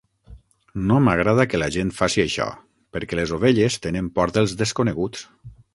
No m'agrada que la gent faci això, perquè les ovelles tenen por dels desconeguts.